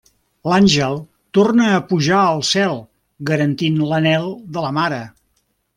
L'àngel torna a pujar al cel garantint l'anhel de la Mare.